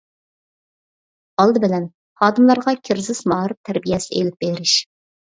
ئالدى بىلەن، خادىملارغا كىرىزىس مائارىپ تەربىيەسى ئېلىپ بېرىش.